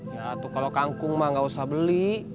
ya atuh kalau kangkung mah nggak usah beli